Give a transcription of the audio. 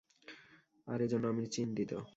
আর এজন্য আমি চিন্তিত।